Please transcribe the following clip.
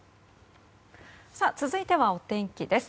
続いてはお天気です。